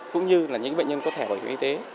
cũng như là những bệnh nhân có thẻ bảo hiểm y tế